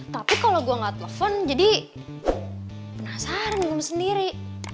tapi kalau gua nggak telepon jadi penasaran gue sendiri